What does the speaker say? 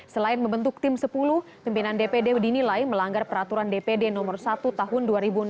selain membentuk tim sepuluh pimpinan dpd dinilai melanggar peraturan dpd nomor satu tahun dua ribu enam belas